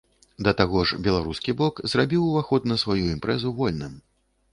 Да таго ж беларускі бок зрабіў ўваход на сваю імпрэзу вольным.